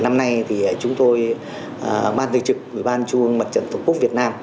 năm nay thì chúng tôi ban tư trực ủy ban trung ương mặt trận tổ quốc việt nam